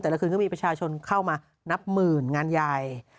ละคืนก็มีประชาชนเข้ามานับหมื่นงานใหญ่